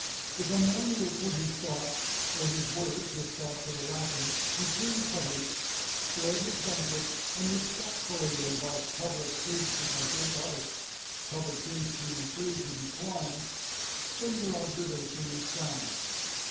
if a man will put his thoughts or his words, if thoughts are lacking between covers spread his banquet, and respectfully invite Public Taste to partake of it, Public Taste being free to decline, then your observation is sound.